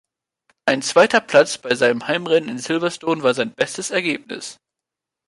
Ein zweiter Platz bei seinem Heimrennen in Silverstone war sein bestes Ergebnis.